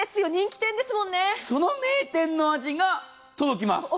その名店の味が届きます。